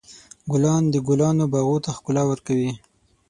ګلان د ګلانو باغ ته ښکلا ورکوي.